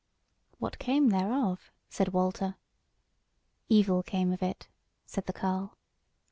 "What came thereof?" said Walter. "Evil came of it," said the carle.